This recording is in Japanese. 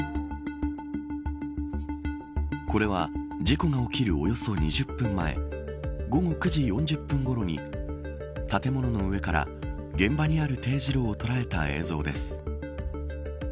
これは事故が起きるおよそ２０分前午後９時４０分ごろに建物の上から現場にある丁字路を捉えた映像です。